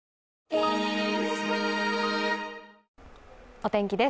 お天気です。